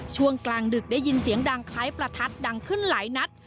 ช่วงกลางดึกได้ยินเสียงดังคล้ายประทัดดังขึ้นหลายนัด